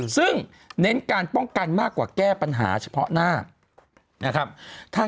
ซึ่งเน้นการป้องกันมากกว่าแก้ปัญหาเฉพาะหน้านะครับ